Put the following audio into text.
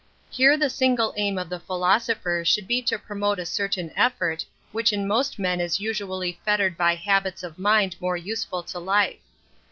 Here the single aim /of the philosopher should be to promote a t certain effort, which in most men is usually \ fettered by habits of mind more useful to 'ilife.